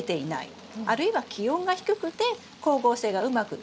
あるいは気温が低くて光合成がうまく働かない。